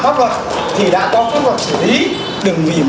bắt quả tang tên trộm này